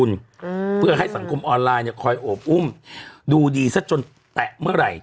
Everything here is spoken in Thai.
อืมเพื่อให้สังคมออนไลน์เนี้ยคอยโอบอุ้มดูดีซะจนแตะเมื่อไหร่